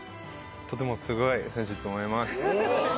とてもすごい選手と思います。